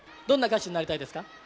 どんな歌手になりたいですか？